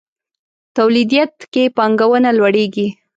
توليديت کې پانګونه لوړېږي.